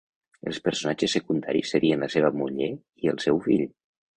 Els personatges secundaris serien la seva muller i el seu fill.